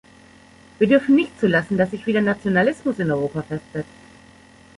Wir dürfen nicht zulassen, dass sich wieder Nationalismus in Europa festsetzt.